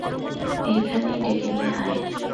এইখানেই ডেকে নিয়ে আয়।